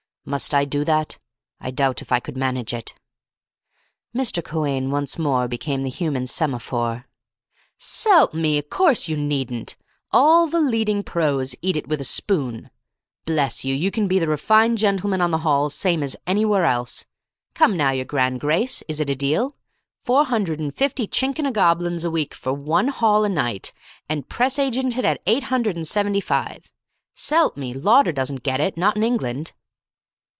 Must I do that? I doubt if I could manage it." Mr Quhayne once more became the human semaphore. "S'elp me! Of course you needn't! All the leading pros, eat it with a spoon. Bless you, you can be the refined gentleman on the Halls same as anywhere else. Come now, your Grand Grace, is it a deal? Four hundred and fifty chinking o'Goblins a week for one hall a night, and press agented at eight hundred and seventy five. S'elp me! Lauder doesn't get it, not in England."